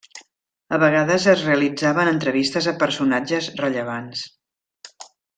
A vegades es realitzaven entrevistes a personatges rellevants.